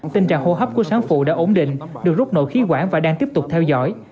tình trạng hô hấp của sáng phụ đã ổn định được rút nội khí quản và đang tiếp tục theo dõi